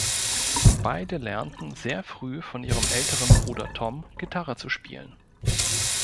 Beide lernten sehr früh von ihrem älteren Bruder Tom Gitarre zu spielen.